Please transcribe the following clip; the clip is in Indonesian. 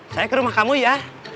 saya ke rumah kamu ya